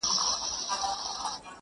څوک به د خوشال له توري ومینځي زنګونه!!